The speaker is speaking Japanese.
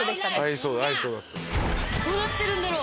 どうなってるんだろ。